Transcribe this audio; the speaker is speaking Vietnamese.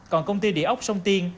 còn công ty địa ốc sông tiên